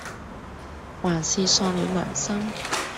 還是喪了良心，